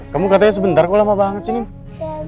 kamu katanya sebentar kok lama banget sih nenek